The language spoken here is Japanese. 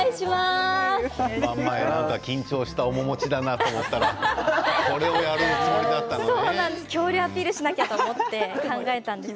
緊張した面持ちだなと思ったらガオーをやるつもりだったんですね。